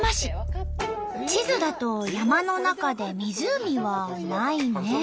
地図だと山の中で湖はないねえ。